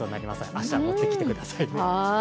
明日持ってきてくださいね。